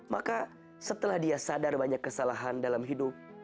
maka setelah dia sadar banyak kesalahan dalam hidup